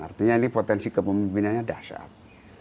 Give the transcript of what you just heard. artinya ini potensi kepemimpinannya dahsyat